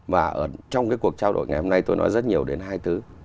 và trong cái cuộc trao đổi ngày hôm nay tôi nói rất nhiều đến hai thứ